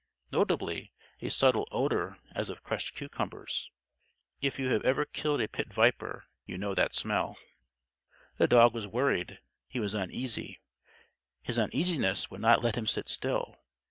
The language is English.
Notably, a subtle odor as of crushed cucumbers. (If ever you have killed a pit viper, you know that smell.) The dog was worried. He was uneasy. His uneasiness would not let him sit still.